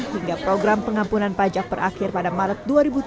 hingga program pengampunan pajak berakhir pada maret dua ribu tujuh belas